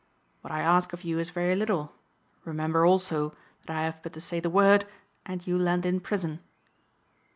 What I ask of you is very little. Remember, also, that I have but to say the word and you land in prison."